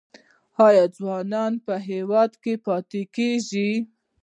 آیا ځوانان په هیواد کې پاتې کیږي؟